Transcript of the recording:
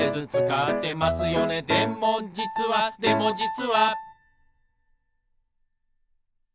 「でもじつはでもじつは」